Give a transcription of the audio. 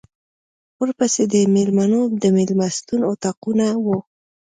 ورپسې د مېلمنو د مېلمستون اطاقونه و.